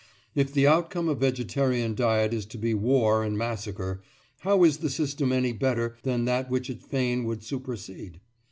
If the outcome of vegetarian diet is to be war and massacre, how is the system any better than that which it fain would supersede?